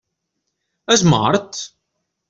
És mort?